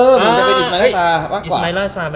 อีสไมล่าซาเป็น